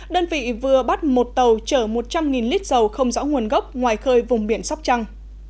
đơn vị vừa bắt một tàu chở một trăm linh lít dầu không rõ nguồn gốc ngoài khơi vùng biển sóc trăng